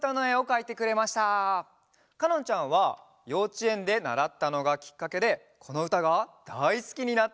かのんちゃんはようちえんでならったのがきっかけでこのうたがだいすきになったんだって！